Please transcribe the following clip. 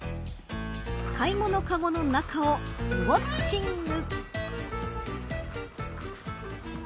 買い物かごの中をウオッチング。